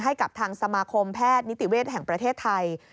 ให้กับทางสมาคมแพทย์นิติเวชแห่งประเทศไทย